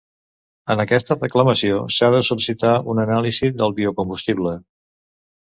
En aquesta reclamació s'ha de sol·licitar una anàlisi del biocombustible.